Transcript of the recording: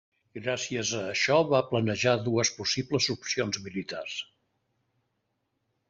Gràcies a això va planejar dues possibles opcions militars.